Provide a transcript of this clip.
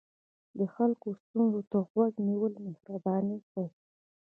د خلکو ستونزو ته غوږ نیول مهرباني ښيي.